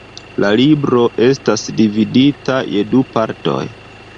La libro estas dividita je du partoj.